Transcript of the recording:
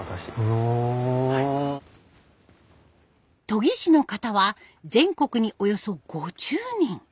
研師の方は全国におよそ５０人。